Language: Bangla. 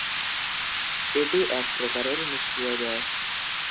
এটি এক প্রকারের নিষ্ক্রিয় গ্যাস।